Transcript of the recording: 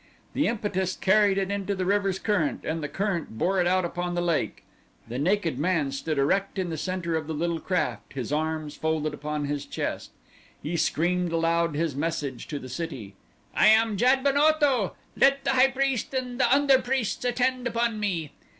The impetus carried it into the river's current and the current bore it out upon the lake. The naked man stood erect in the center of the little craft, his arms folded upon his chest. He screamed aloud his message to the city: "I am Jad ben Otho! Let the high priest and the under priests attend upon me!"